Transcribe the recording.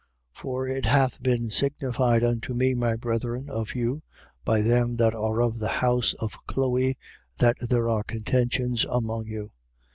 1:11. For it hath been signified unto me, my brethren, of you, by them that are of the house of Chloe, that there are contentions among you.